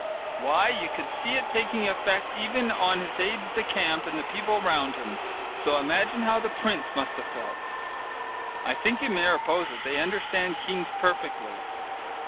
Why, you could see it taking effect even on his aides de camp and the people round him, so imagine how the prince must have felt! I think in Mariposa they understand kings perfectly.